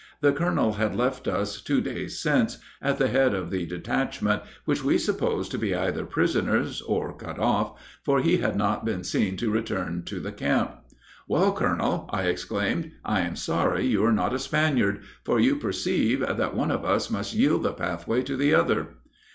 The colonel had left us two days since, at the head of the detachment, which we supposed to be either prisoners, or cut off, for he had not been seen to return to the camp." "'Well, colonel,' I exclaimed, 'I am sorry you are not a Spaniard; for, you perceive, that one of us must yield the pathway to the other."